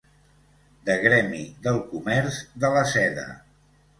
De gremi del comerç de la seda.